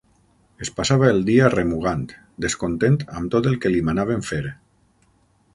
Es passava el dia remugant, descontent amb tot el que li manaven fer.